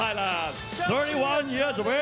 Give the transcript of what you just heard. สวัสดีครับ